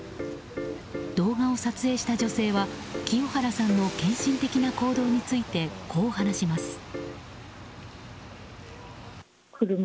動画を撮影した女性は清原さんの献身的な行動についてこう話します。